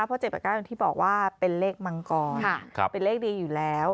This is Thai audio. เพราะ๗๘๙อย่างที่บอกว่าเป็นเลขมังกรเป็นเลขดีอยู่แล้ว